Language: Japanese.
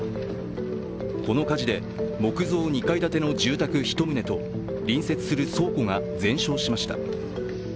この火事で木造２階建ての住宅１棟と隣接する倉庫が全焼しました。